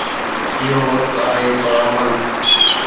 اهو وقت آهي پر عمل.